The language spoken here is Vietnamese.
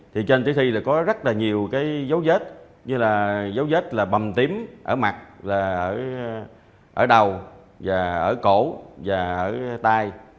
thì trên tử thi là có rất là nhiều cái dấu vết như là dấu vết là bầm tím ở mặt là ở đầu và ở cổ và ở tay